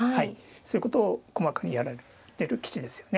そういうことを細かにやられている棋士ですよね。